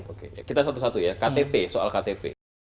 oke kita satu satu ya ktp soal ktp